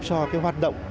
giúp cho hoạt động